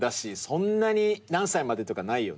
そんなに何歳までとかないよね。